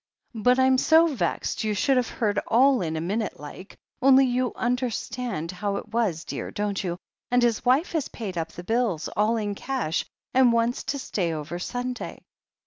But I'm so vexed you should have heard all in a minute like, only you understand how it was, dear, don't you? And his wife has paid up the bills, all in cash, and wants to stay over Sun day."